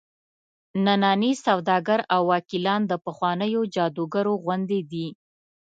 ننني سوداګر او وکیلان د پخوانیو جادوګرو غوندې دي.